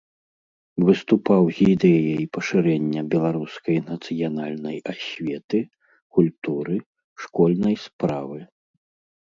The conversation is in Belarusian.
Выступаў з ідэяй пашырэння беларускай нацыянальнай асветы, культуры, школьнай справы.